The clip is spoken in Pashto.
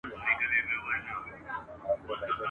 لا به تر څو د خپل ماشوم زړګي تسل کومه ..